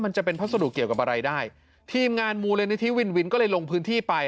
มันจะเป็นพัสดุเกี่ยวกับอะไรได้ทีมงานมูลนิธิวินวินก็เลยลงพื้นที่ไป